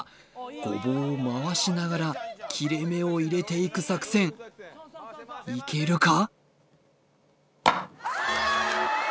ゴボウを回しながら切れ目を入れていく作戦いけるか？